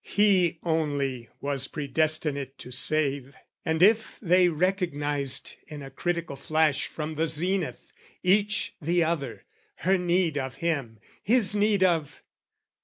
He only was predestinate to save, And if they recognised in a critical flash From the zenith, each the other, her need of him, His need of...